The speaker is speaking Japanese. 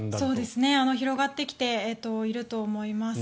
広がってきていると思います。